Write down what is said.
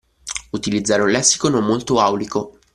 Utilizzare un lessico non molto "aulico".